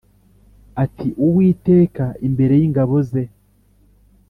ati:” uwiteka imbere y`ingabo ze